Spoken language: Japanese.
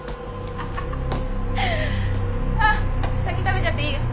あっ先食べちゃっていいよ。